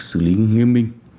xử lý nghiêm minh